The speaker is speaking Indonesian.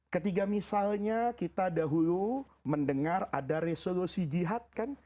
ketiga misalnya kita dahulu mendengar ada resolusi jihad kan